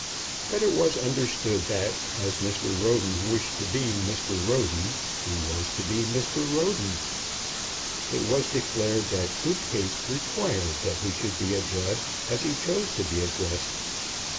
But it was understood that as Mr. Roden wished to be Mr. Roden, he was to be Mr. Roden. It was declared that good taste required that he should be addressed as he chose to be addressed.